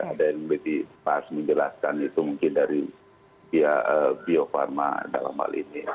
ada yang bisa dipahas menjelaskan itu mungkin dari biopharma dalam hal ini